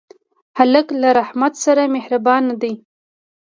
هلک له رحمت سره مهربان دی.